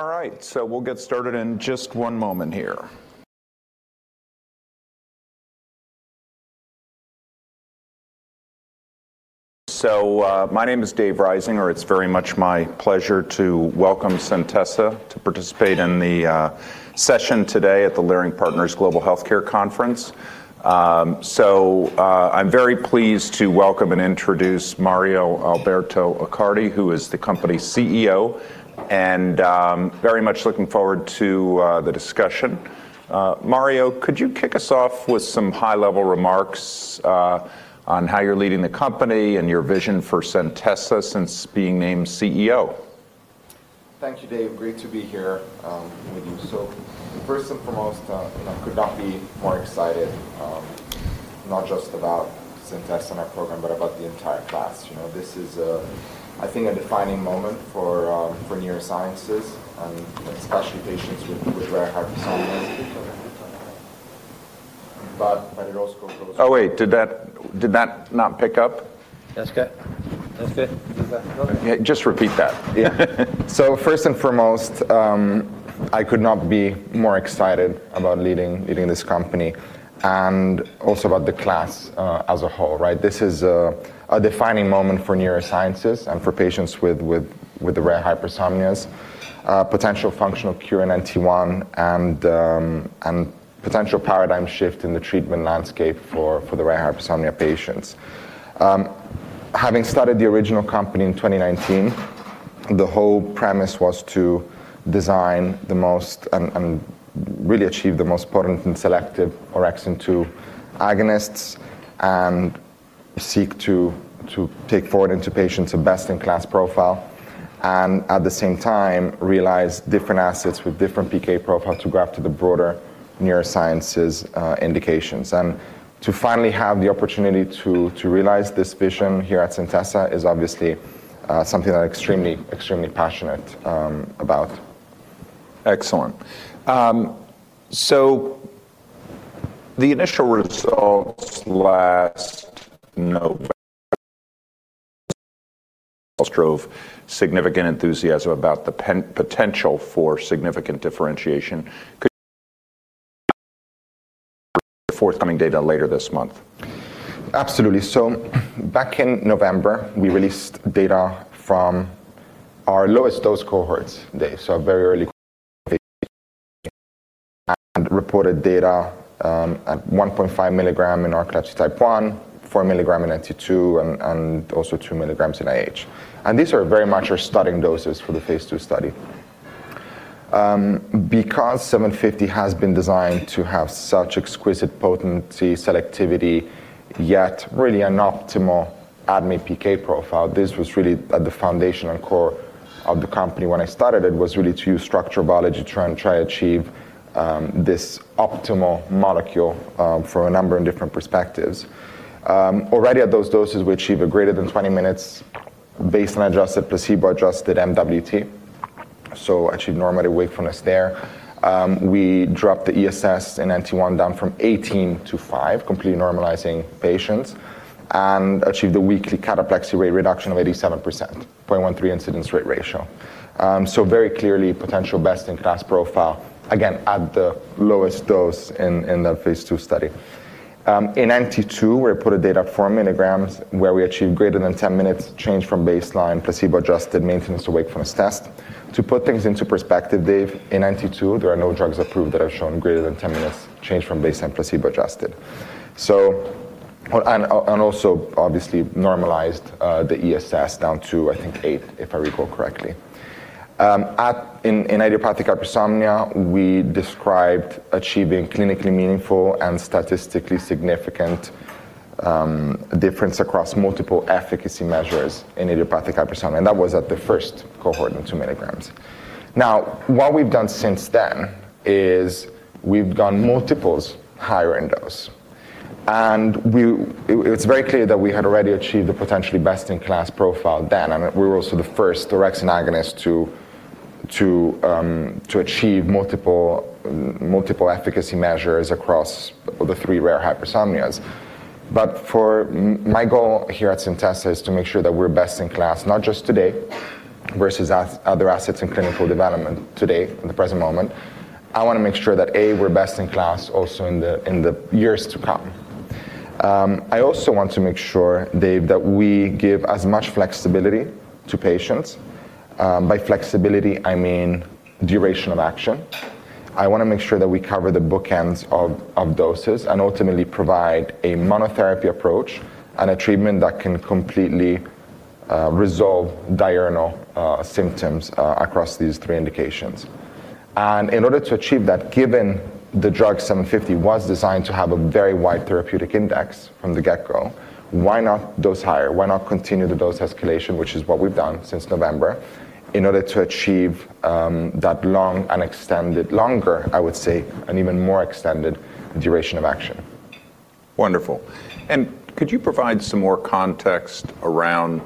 All right, we'll get started in just one moment here. My name is Dave Risinger. It's very much my pleasure to welcome Centessa to participate in the session today at the Leerink Partners Global Healthcare Conference. I'm very pleased to welcome and introduce Mario Alberto Accardi, who is the company's CEO, and very much looking forward to the discussion. Mario, could you kick us off with some high-level remarks on how you're leading the company and your vision for Centessa since being named CEO? Thank you, Dave. Great to be here with you. First and foremost, I could not be more excited, not just about Centessa and our program, but about the entire class. You know, this is, I think, a defining moment for neurosciences and especially patients with rare hypersomnias. But it also goes. Oh, wait. Did that not pick up? That's okay. That's good. Yeah. Just repeat that. Yeah. First and foremost, I could not be more excited about leading this company and also about the class as a whole. Right? This is a defining moment for neurosciences and for patients with the rare hypersomnias. Potential functional cure in NT1 and potential paradigm shift in the treatment landscape for the rare hypersomnia patients. Having started the original company in 2019, the whole premise was to design and really achieve the most potent and selective orexin two agonists and seek to take forward into patients a best-in-class profile. At the same time, realize different assets with different PK profiles to target the broader neurosciences indications. To finally have the opportunity to realize this vision here at Centessa is obviously something I'm extremely passionate about. Excellent. The initial results last November drove significant enthusiasm about the potential for significant differentiation. Could forthcoming data later this month. Absolutely. Back in November, we released data from our lowest dose cohorts, Dave. A very early and reported data at 1.5 mg in NT1, 4 mg in NT2, and also 2 mg in IH. These are very much our starting doses for the phase 2 study. Because 750 has been designed to have such exquisite potency selectivity, yet really an optimal ADME PK profile. This was really at the foundation and core of the company when I started. It was really to use structural biology to try to achieve this optimal molecule from a number of different perspectives. Already at those doses, we achieve a greater than 20 minutes baseline-adjusted, placebo-adjusted MWT. Achieve normal wakefulness there. We dropped the ESS in NT1 down from 18-5, completely normalizing patients, and achieved a weekly cataplexy rate reduction of 87%, 0.13 incidence rate ratio. Very clearly potential best-in-class profile, again, at the lowest dose in the phase 2 study. In NT2, we reported data at 4 mg where we achieved greater than 10 minutes change from baseline placebo-adjusted Maintenance of Wakefulness Test. To put things into perspective, Dave, in NT2, there are no drugs approved that have shown greater than 10 minutes change from baseline placebo-adjusted. And also obviously normalized the ESS down to I think eight, if I recall correctly. In idiopathic hypersomnia, we described achieving clinically meaningful and statistically significant difference across multiple efficacy measures in idiopathic hypersomnia, and that was at the first cohort in 2 mg. Now, what we've done since then is we've gone multiples higher in dose, and it's very clear that we had already achieved the potentially best-in-class profile then. We were also the first orexin agonist to achieve multiple efficacy measures across the three rare hypersomnias. For my goal here at Centessa is to make sure that we're best in class, not just today versus as other assets in clinical development today in the present moment. I wanna make sure that, A, we're best in class also in the years to come. I also want to make sure, Dave, that we give as much flexibility to patients. By flexibility, I mean duration of action. I wanna make sure that we cover the bookends of doses and ultimately provide a monotherapy approach and a treatment that can completely resolve diurnal symptoms across these three indications. In order to achieve that, given the drug 750 was designed to have a very wide therapeutic index from the get-go, why not dose higher? Why not continue the dose escalation, which is what we've done since November, in order to achieve that longer, I would say, and even more extended duration of action. Wonderful. Could you provide some more context around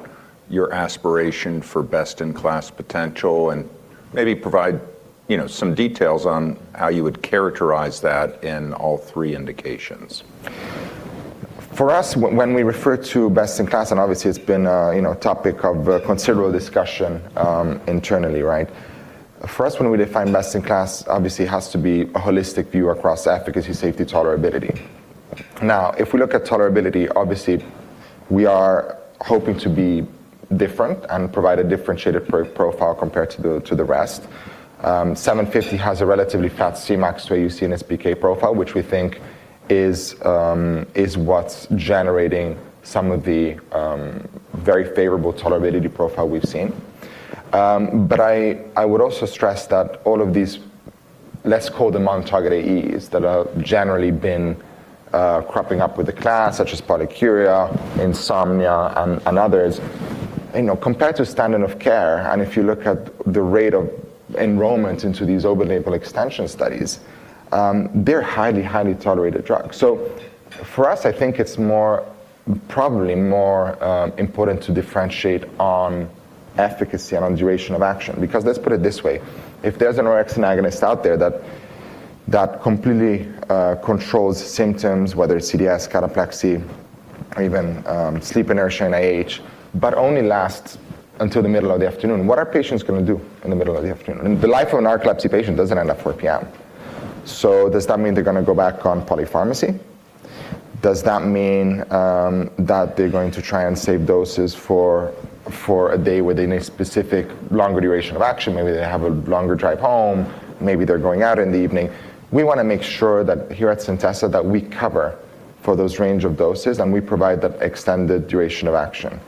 your aspiration for best-in-class potential and maybe provide, you know, some details on how you would characterize that in all three indications? For us, when we refer to best in class, and obviously it's been a you know topic of considerable discussion internally, right? For us, when we define best in class, obviously it has to be a holistic view across efficacy, safety, tolerability. Now, if we look at tolerability, obviously we are hoping to be different and provide a differentiated profile compared to the rest. 750 has a relatively flat Cmax to AUC and PK profile, which we think is what's generating some of the very favorable tolerability profile we've seen. But I would also stress that all of these, let's call them on-target AEs that have generally been cropping up with the class, such as polyuria, insomnia, and others. You know, compared to standard of care, and if you look at the rate of enrollment into these open-label extension studies, they're highly tolerated drugs. For us, I think it's more, probably more, important to differentiate on efficacy and on duration of action, because let's put it this way. If there's an orexin agonist out there that completely controls symptoms, whether it's EDS, cataplexy or even sleep inertia in IH, but only lasts until the middle of the afternoon, what are patients gonna do in the middle of the afternoon? The life of a narcolepsy patient doesn't end at 4 P.M. Does that mean they're gonna go back on polypharmacy? Does that mean that they're going to try and save doses for a day where they need specific longer duration of action? Maybe they have a longer drive home, maybe they're going out in the evening. We wanna make sure that here at Centessa that we cover for those range of doses, and we provide that extended duration of action.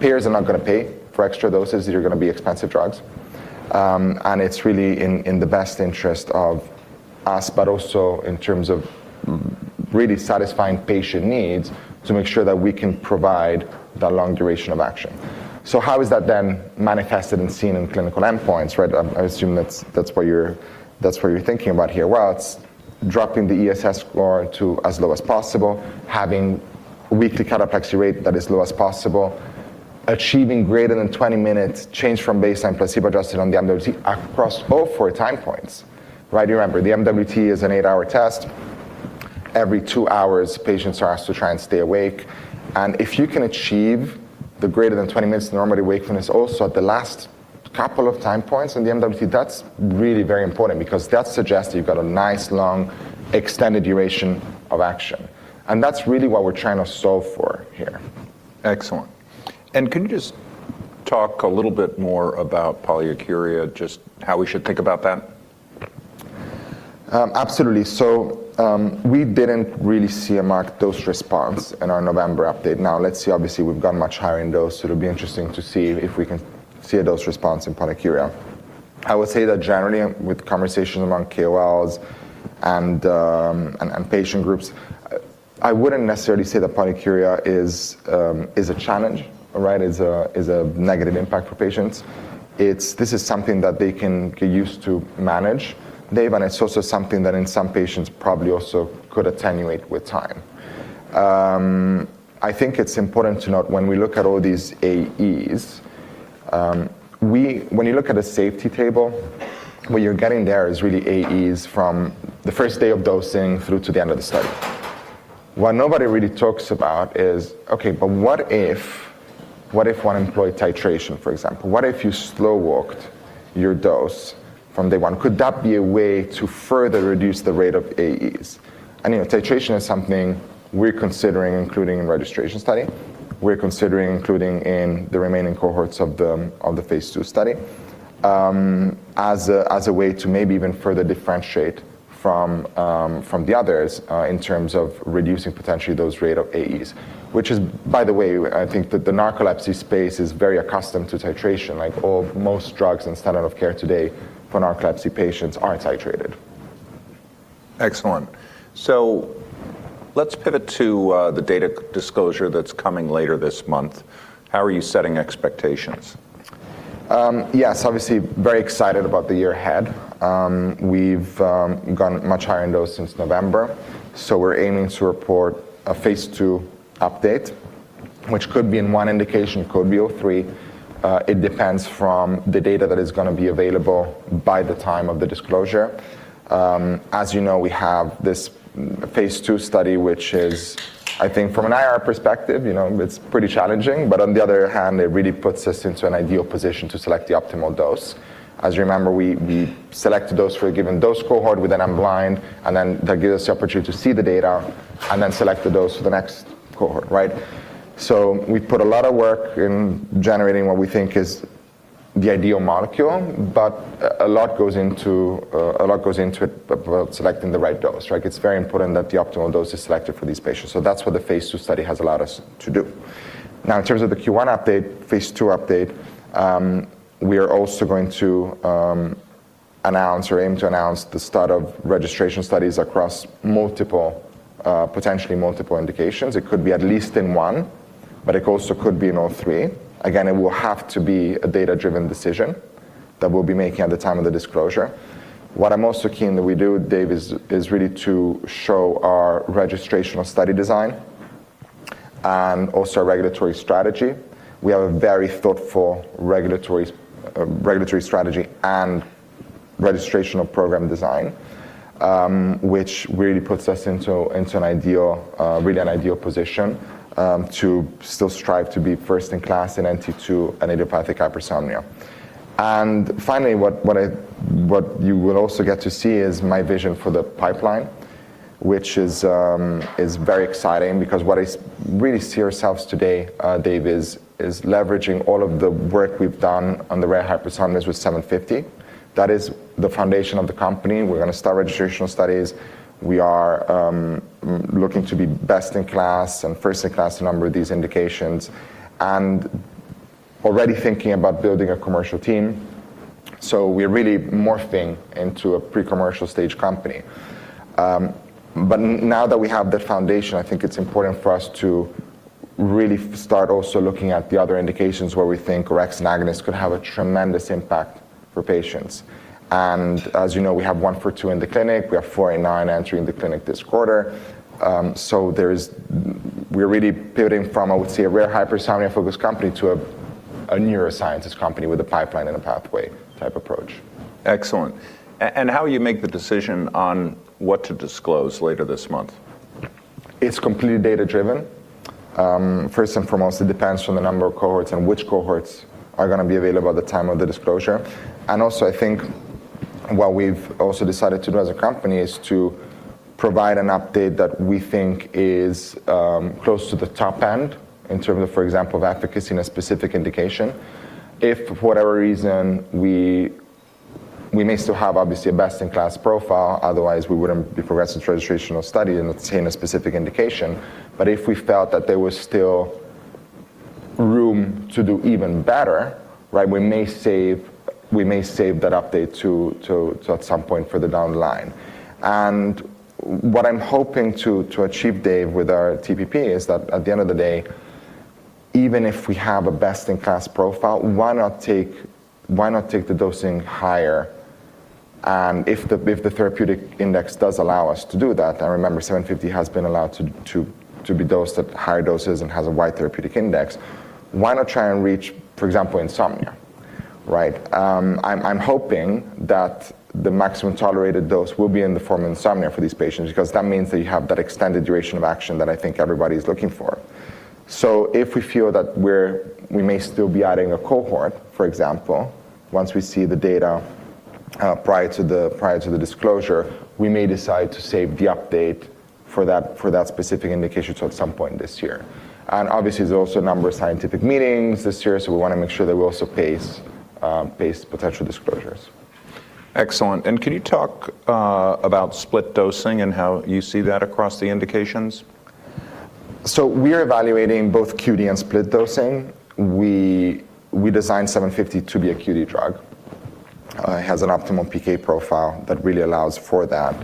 Payers are not gonna pay for extra doses. They're gonna be expensive drugs. It's really in the best interest of us, but also in terms of really satisfying patient needs to make sure that we can provide that long duration of action. How is that then manifested and seen in clinical endpoints, right? I assume that's what you're thinking about here. Well, it's dropping the ESS score to as low as possible, having weekly cataplexy rate that is low as possible, achieving greater than 20 minutes change from baseline placebo-adjusted on the MWT across all four time points, right? You remember, the MWT is an eight-hour test. Every two hours, patients are asked to try and stay awake. If you can achieve the greater than 20 minutes normal wakefulness also at the last couple of time points in the MWT, that's really very important because that suggests that you've got a nice long extended duration of action, and that's really what we're trying to solve for here. Excellent. Can you just talk a little bit more about polyuria, just how we should think about that? Absolutely. We didn't really see a marked dose response in our November update. Now let's see, obviously, we've gone much higher in dose, so it'll be interesting to see if we can see a dose response in polyuria. I would say that generally with conversation among KOLs and patient groups, I wouldn't necessarily say that polyuria is a challenge, right, is a negative impact for patients. It's this is something that they can get used to manage, Dave, and it's also something that in some patients probably also could attenuate with time. I think it's important to note when we look at all these AEs, when you look at a safety table, what you're getting there is really AEs from the first day of dosing through to the end of the study. What nobody really talks about is, okay, but what if, what if one employed titration, for example? What if you slow-walked your dose from day one? Could that be a way to further reduce the rate of AEs? You know, titration is something we're considering including in registration study. We're considering including in the remaining cohorts of the phase 2 study as a way to maybe even further differentiate from the others in terms of reducing potentially the rate of AEs. Which is, by the way, I think that the narcolepsy space is very accustomed to titration. Like, most drugs in standard of care today for narcolepsy patients are titrated. Excellent. Let's pivot to the data disclosure that's coming later this month. How are you setting expectations? Yes. Obviously very excited about the year ahead. We've gone much higher in dose since November, so we're aiming to report a phase 2 update, which could be in one indication, could be all three. It depends from the data that is gonna be available by the time of the disclosure. As you know, we have this phase 2 study, which is, I think from an IR perspective, you know, it's pretty challenging, but on the other hand, it really puts us into an ideal position to select the optimal dose. As you remember, we select a dose for a given dose cohort, we then unblind, and then that gives us the opportunity to see the data and then select the dose for the next cohort, right? We've put a lot of work in generating what we think is the ideal molecule, but a lot goes into it about selecting the right dose, right? It's very important that the optimal dose is selected for these patients. That's what the phase 2 study has allowed us to do. Now in terms of the Q1 update, phase 2 update, we are also going to announce or aim to announce the start of registration studies across multiple, potentially multiple indications. It could be at least in one, but it also could be in all three. Again, it will have to be a data-driven decision that we'll be making at the time of the disclosure. What I'm also keen that we do, Dave, is really to show our registrational study design and also our regulatory strategy. We have a very thoughtful regulatory strategy and registration of program design, which really puts us into an ideal position to still strive to be first in class in NT2 and idiopathic hypersomnia. Finally, what you will also get to see is my vision for the pipeline, which is very exciting because what I really see ourselves today, Dave, is leveraging all of the work we've done on the rare hypersomnias with 750. That is the foundation of the company. We're gonna start registrational studies. We are looking to be best in class and first in class a number of these indications and already thinking about building a commercial team. We're really morphing into a pre-commercial stage company. Now that we have the foundation, I think it's important for us to really start also looking at the other indications where we think orexin agonist could have a tremendous impact for patients. As you know, we have 142 in the clinic. We have 489 entering the clinic this quarter. We're really pivoting from, I would say, a rare hypersomnia-focused company to a neurosciences company with a pipeline and a pathway type approach. Excellent. How will you make the decision on what to disclose later this month? It's completely data-driven. First and foremost, it depends on the number of cohorts and which cohorts are gonna be available at the time of the disclosure. Also, I think what we've also decided to do as a company is to provide an update that we think is close to the top end in terms of, for example, of efficacy in a specific indication. If for whatever reason we may still have obviously a best-in-class profile, otherwise we wouldn't be progressing to registrational study and seeing a specific indication. If we felt that there was still room to do even better, right, we may save that update to at some point for the down line. What I'm hoping to achieve, Dave, with our TPP is that at the end of the day, even if we have a best-in-class profile, why not take the dosing higher? If the therapeutic index does allow us to do that, and remember 750 has been allowed to be dosed at higher doses and has a wide therapeutic index, why not try and reach, for example, insomnia, right? I'm hoping that the maximum tolerated dose will be in the form of insomnia for these patients, because that means that you have that extended duration of action that I think everybody's looking for. If we feel that we may still be adding a cohort, for example, once we see the data, prior to the disclosure, we may decide to save the update for that specific indication till at some point this year. Obviously, there's also a number of scientific meetings this year, so we wanna make sure that we also pace potential disclosures. Excellent. Can you talk about split dosing and how you see that across the indications? We're evaluating both QD and split dosing. We designed 750 to be a QD drug. It has an optimal PK profile that really allows for that.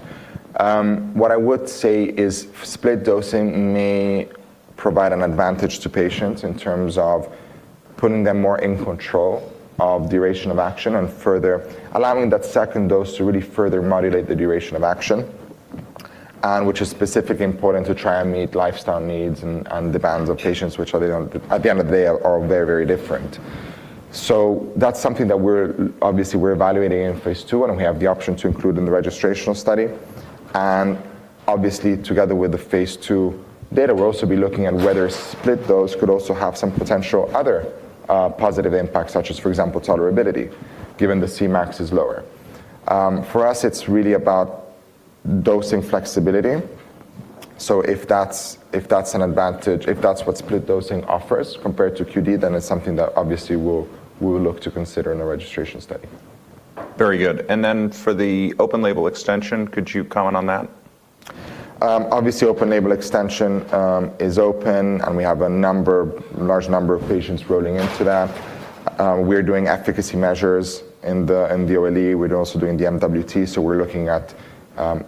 What I would say is split dosing may provide an advantage to patients in terms of putting them more in control of duration of action and further allowing that second dose to really further modulate the duration of action, and which is specifically important to try and meet lifestyle needs and the demands of patients, which are, at the end of the day, very, very different. That's something that we're obviously evaluating in phase 2, and we have the option to include in the registrational study. Obviously together with the phase two data, we'll also be looking at whether split dose could also have some potential other positive impacts, such as, for example, tolerability, given the Cmax is lower. For us, it's really about dosing flexibility. If that's an advantage, if that's what split dosing offers compared to QD, then it's something that obviously we'll look to consider in a registration study. Very good. For the open label extension, could you comment on that? Obviously open-label extension is open, and we have a large number of patients rolling into that. We're doing efficacy measures in the OLE. We're also doing the MWT, so we're looking at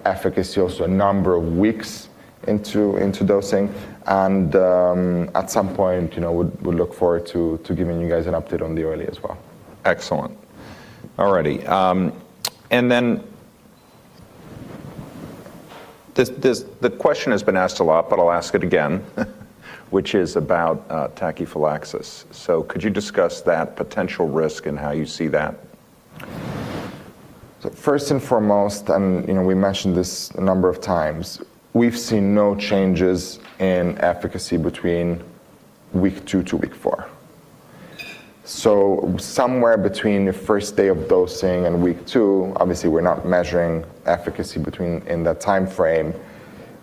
efficacy also a number of weeks into dosing. At some point, you know, we'll look forward to giving you guys an update on the OLE as well. Excellent. All righty. The question has been asked a lot, but I'll ask it again, which is about tachyphylaxis. Could you discuss that potential risk and how you see that? First and foremost, and you know, we mentioned this a number of times, we've seen no changes in efficacy between week two to week four. Somewhere between the first day of dosing and week two, obviously, we're not measuring efficacy between in that timeframe.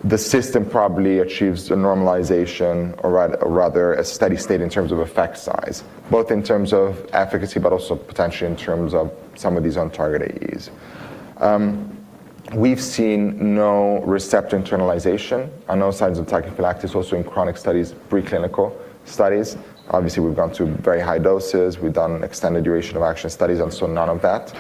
The system probably achieves a normalization or rather a steady state in terms of effect size, both in terms of efficacy, but also potentially in terms of some of these on-target AEs. We've seen no receptor internalization and no signs of tachyphylaxis also in chronic studies, preclinical studies. Obviously, we've gone to very high doses. We've done extended duration of action studies, and so none of that.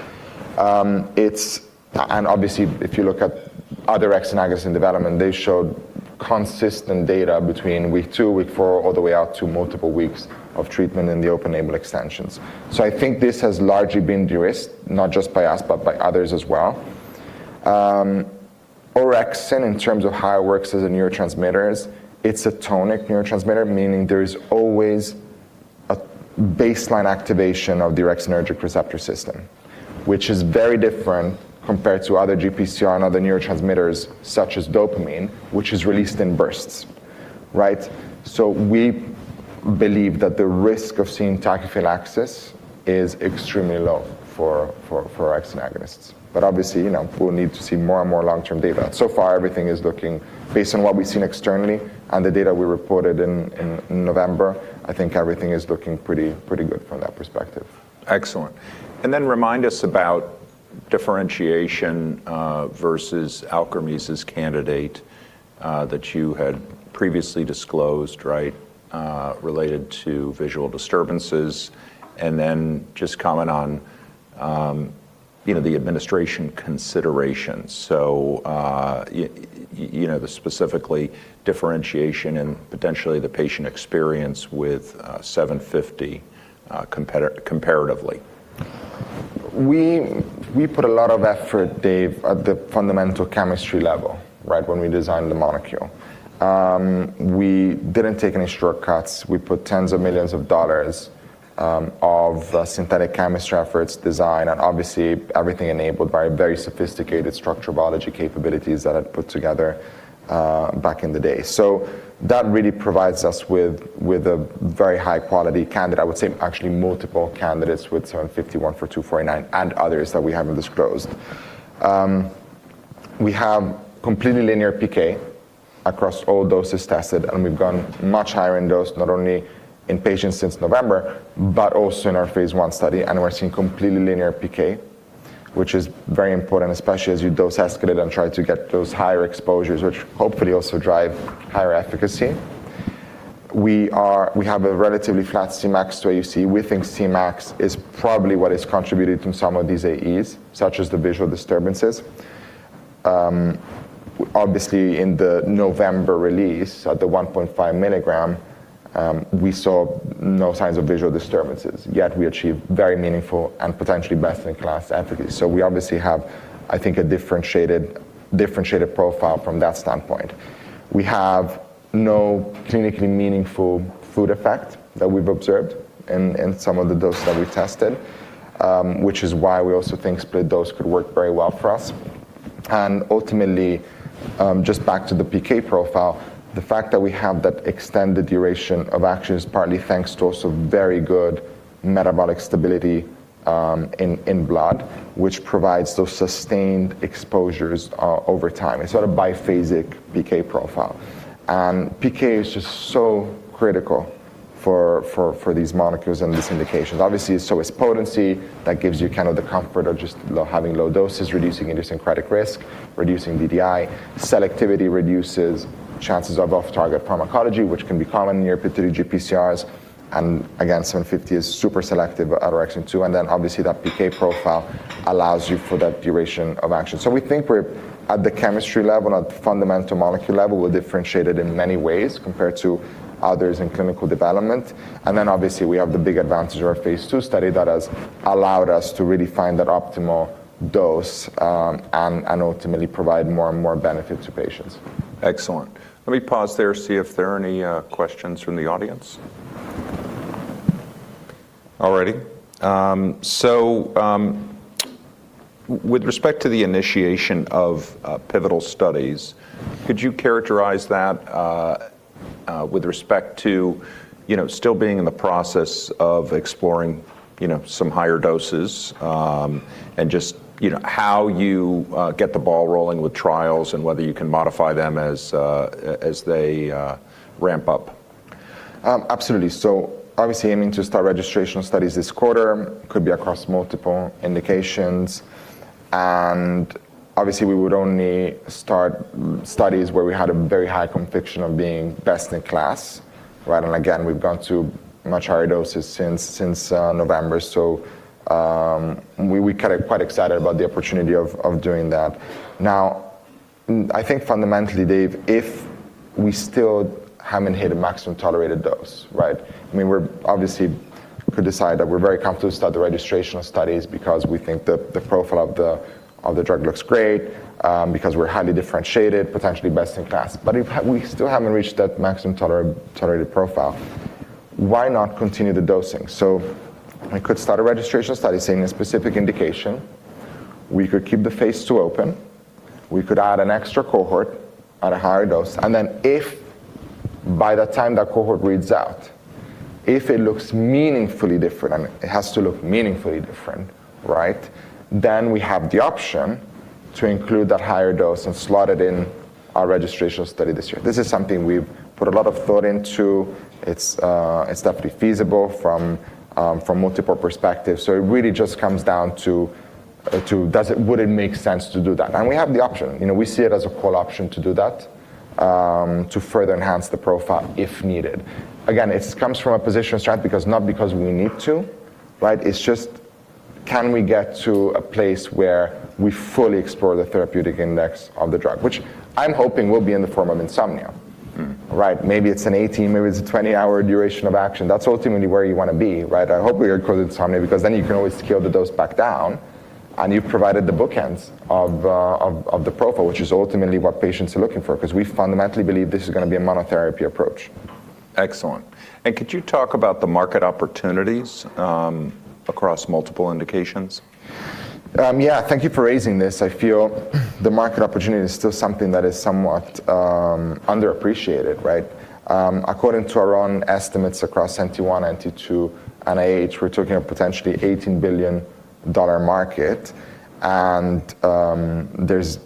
Obviously, if you look at other orexin agonists in development, they showed consistent data between week two, week four, all the way out to multiple weeks of treatment in the open label extensions. I think this has largely been de-risked, not just by us, but by others as well. Orexin, in terms of how it works as a neurotransmitter, it's a tonic neurotransmitter, meaning there's always a baseline activation of the orexinergic receptor system, which is very different compared to other GPCR and other neurotransmitters such as dopamine, which is released in bursts, right? We believe that the risk of seeing tachyphylaxis is extremely low for orexin agonists. Obviously, you know, we'll need to see more and more long-term data. So far everything is looking based on what we've seen externally and the data we reported in November, I think everything is looking pretty good from that perspective. Excellent. Remind us about differentiation versus Alkermes' candidate that you had previously disclosed, right? Related to visual disturbances. Just comment on, you know, the administration considerations. You know, the specifically differentiation and potentially the patient experience with 750 comparatively. We put a lot of effort, Dave, at the fundamental chemistry level, right, when we designed the molecule. We didn't take any shortcuts. We put tens of millions of dollars of synthetic chemistry efforts, design, and obviously everything enabled by very sophisticated structural biology capabilities that I'd put together back in the day. That really provides us with a very high quality candidate. I would say actually multiple candidates with 751, FR-249 and others that we haven't disclosed. We have completely linear PK across all doses tested, and we've gone much higher in dose, not only in patients since November, but also in our phase 1 study. We're seeing completely linear PK, which is very important, especially as you dose escalate and try to get those higher exposures, which hopefully also drive higher efficacy. We have a relatively flat Cmax to AUC. We think Cmax is probably what is contributed to some of these AEs, such as the visual disturbances. Obviously in the November release at the 1.5 mg, we saw no signs of visual disturbances, yet we achieved very meaningful and potentially best-in-class efficacy. We obviously have, I think, a differentiated profile from that standpoint. We have no clinically meaningful food effect that we've observed in some of the doses that we tested, which is why we also think split dose could work very well for us. Ultimately, just back to the PK profile, the fact that we have that extended duration of action is partly thanks to also very good metabolic stability in blood, which provides those sustained exposures over time. A sort of biphasic PK profile. PK is just so critical for these molecules and these indications. Obviously, so is potency. That gives you kind of the comfort of just having low doses, reducing idiosyncratic risk, reducing DDI. Selectivity reduces chances of off-target pharmacology, which can be common in your pituitary GPCRs. Again, 750 is super selective at orexin-2. Then obviously that PK profile allows you for that duration of action. We think we're at the chemistry level, at the fundamental molecule level, we're differentiated in many ways compared to others in clinical development. Then obviously we have the big advantage of our phase two study that has allowed us to really find that optimal dose, and ultimately provide more and more benefit to patients. Excellent. Let me pause there, see if there are any questions from the audience. All righty. With respect to the initiation of pivotal studies, could you characterize that with respect to, you know, still being in the process of exploring, you know, some higher doses, and just, you know, how you get the ball rolling with trials and whether you can modify them as they ramp up? Absolutely. Obviously aiming to start registrational studies this quarter could be across multiple indications. Obviously we would only start studies where we had a very high conviction of being best in class, right? Again, we've gone to much higher doses since November. We're kind of quite excited about the opportunity of doing that. Now, I think fundamentally, Dave, if we still haven't hit a maximum tolerated dose, right? I mean, obviously we could decide that we're very comfortable to start the registrational studies because we think that the profile of the drug looks great, because we're highly differentiated, potentially best in class. But if we still haven't reached that maximum tolerated profile, why not continue the dosing? I could start a registrational study seeing a specific indication. We could keep the phase 2 open, we could add an extra cohort at a higher dose, and then if by the time that cohort reads out, if it looks meaningfully different, and it has to look meaningfully different, right? We have the option to include that higher dose and slot it in our registrational study this year. This is something we've put a lot of thought into. It's definitely feasible from multiple perspectives. It really just comes down to would it make sense to do that? We have the option. You know, we see it as a core option to do that, to further enhance the profile if needed. Again, comes from a position of strength because, not because we need to, right? It's just, can we get to a place where we fully explore the therapeutic index of the drug, which I'm hoping will be in the form of insomnia. Hmm. Right? Maybe it's an 18, maybe it's a 20-hour duration of action. That's ultimately where you wanna be, right? I hope we acquire the insomnia because then you can always scale the dose back down and you've provided the bookends of the profile, which is ultimately what patients are looking for, 'cause we fundamentally believe this is gonna be a monotherapy approach. Excellent. Could you talk about the market opportunities across multiple indications? Thank you for raising this. I feel the market opportunity is still something that is somewhat underappreciated, right? According to our own estimates across NT1, NT2, and IH, we're talking a potentially $18 billion market. There's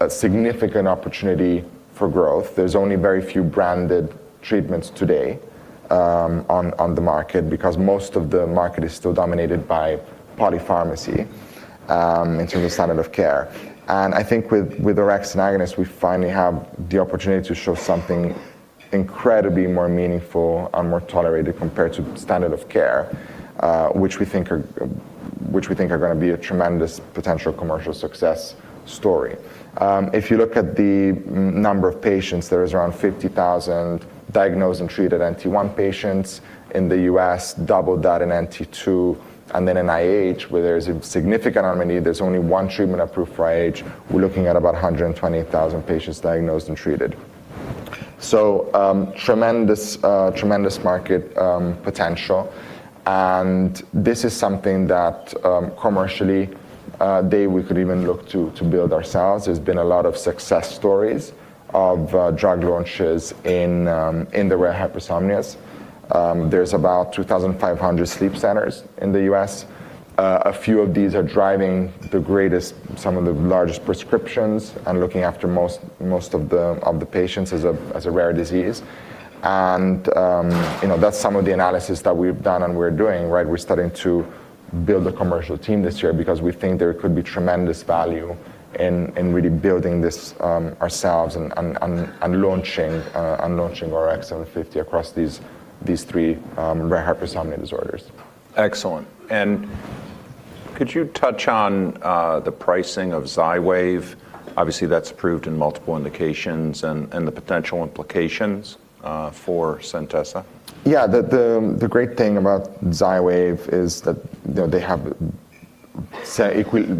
a significant opportunity for growth. There's only very few branded treatments today on the market because most of the market is still dominated by polypharmacy in terms of standard of care. I think with orexin agonist, we finally have the opportunity to show something incredibly more meaningful and more tolerated compared to standard of care, which we think are gonna be a tremendous potential commercial success story. If you look at the number of patients, there is around 50,000 diagnosed and treated NT1 patients in the U.S., double that in NT2, and then in IH, where there's a significant unmet need, there's only one treatment approved for IH, we're looking at about 120,000 patients diagnosed and treated. Tremendous market potential. This is something that, commercially, Dave, we could even look to build ourselves. There's been a lot of success stories of drug launches in the rare hypersomnias. There's about 2,500 sleep centers in the U.S. A few of these are driving some of the largest prescriptions and looking after most of the patients as a rare disease. You know, that's some of the analysis that we've done and we're doing, right? We're starting to build a commercial team this year because we think there could be tremendous value in really building this ourselves and launching ORX750 across these three rare hypersomnia disorders. Excellent. Could you touch on the pricing of Xywav? Obviously, that's approved in multiple indications and the potential implications for Centessa. The great thing about Xywav is that they have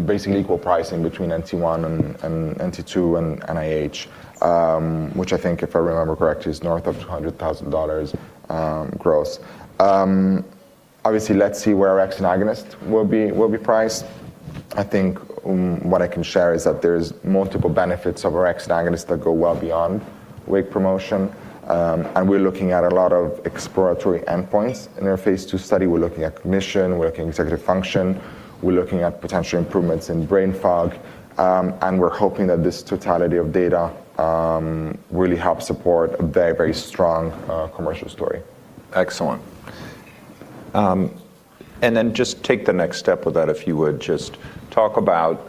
basically equal pricing between NT1 and NT2 and IH, which I think, if I remember correctly, is north of $200,000 gross. Obviously, let's see where orexin agonist will be priced. I think what I can share is that there's multiple benefits of orexin agonist that go well beyond wake promotion, and we're looking at a lot of exploratory endpoints. In our phase 2 study, we're looking at cognition, we're looking executive function, we're looking at potential improvements in brain fog, and we're hoping that this totality of data really helps support a very, very strong commercial story. Excellent. Just take the next step with that, if you would. Just talk about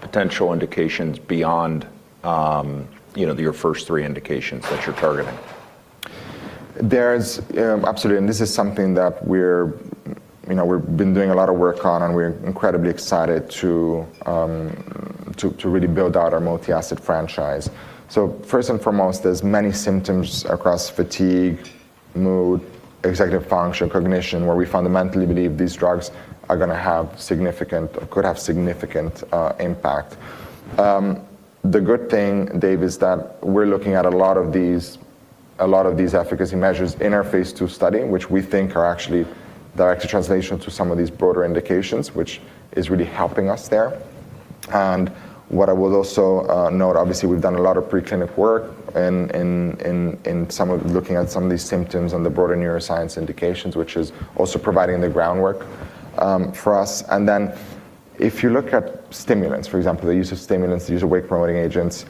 potential indications beyond, you know, your first three indications that you're targeting. Absolutely. This is something that we're, you know, we've been doing a lot of work on, and we're incredibly excited to really build out our multi-asset franchise. First and foremost, there's many symptoms across fatigue, mood, executive function, cognition, where we fundamentally believe these drugs are gonna have significant, or could have significant, impact. The good thing, Dave, is that we're looking at a lot of these efficacy measures in our phase two study, which we think are actually translatable to some of these broader indications, which is really helping us there. What I would also note, obviously, we've done a lot of preclinical work looking at some of these symptoms on the broader neuroscience indications, which is also providing the groundwork for us. If you look at stimulants, for example, the use of stimulants, the use of wake promoting agents,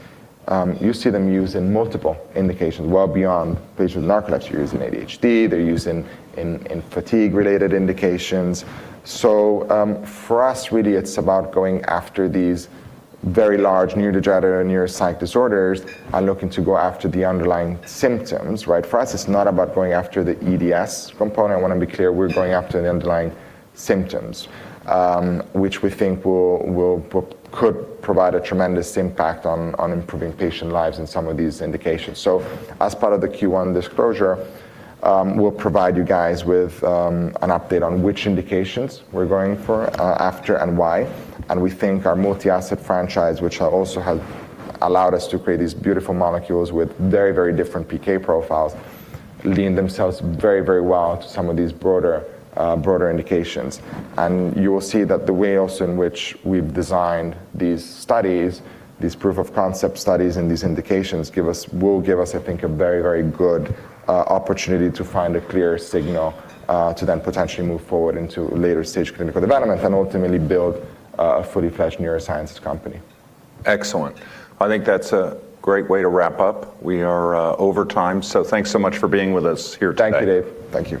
you see them used in multiple indications well beyond patients with narcolepsy. They're used in ADHD. They're used in fatigue-related indications. For us, really, it's about going after these very large neurodegenerative neuroscience disorders and looking to go after the underlying symptoms, right? For us, it's not about going after the EDS component. I wanna be clear, we're going after the underlying symptoms, which we think could provide a tremendous impact on improving patient lives in some of these indications. As part of the Q1 disclosure, we'll provide you guys with an update on which indications we're going for after and why. We think our multi-asset franchise, which also has allowed us to create these beautiful molecules with very, very different PK profiles, lend themselves very, very well to some of these broader indications. You will see that the ways in which we've designed these studies, these proof of concept studies and these indications give us, I think, a very, very good opportunity to find a clear signal to then potentially move forward into later stage clinical development and ultimately build a fully fledged neuroscience company. Excellent. I think that's a great way to wrap up. We are over time, so thanks so much for being with us here today. Thank you, Dave. Thank you.